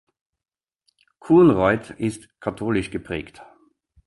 Kunreuth ist katholisch geprägt.